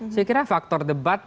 saya kira faktor debat